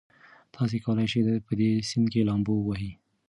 تاسي کولای شئ په دې سیند کې لامبو ووهئ.